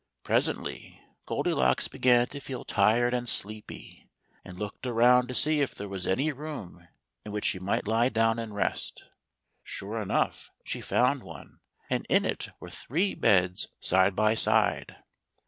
Presently Goldilocks began to feel tired and sleepy, and looked around to see if there was any room in which she might lie down and rest. Sure enough she found one, and in it were three beds side by side.